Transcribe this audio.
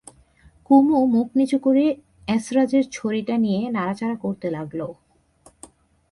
কুমু মুখ নিচু করে এসরাজের ছড়িটা নিয়ে নাড়াচাড়া করতে লাগল।